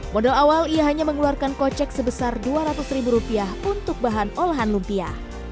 modal awal ia hanya mengeluarkan kocek sebesar dua ratus ribu rupiah untuk bahan olahan lumpia